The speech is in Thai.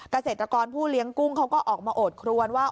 เกษตรกรผู้เลี้ยงกุ้งเขาก็ออกมาโอดครวนว่า